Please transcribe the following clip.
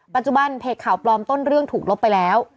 ปัจจุบันเพจข่าวปลอมต้นเรื่องถูกลบไปแล้ว